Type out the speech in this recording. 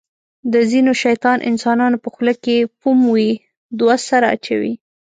د ځینو شیطان انسانانو په خوله کې فوم وي. دوه سره اچوي.